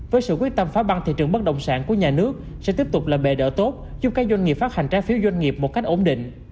với sự quyết tâm phá băng thị trường bất động sản của nhà nước sẽ tiếp tục là bề đỡ tốt giúp các doanh nghiệp phát hành trái phiếu doanh nghiệp một cách ổn định